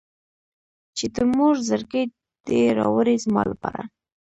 چې د مور زړګی دې راوړي زما لپاره.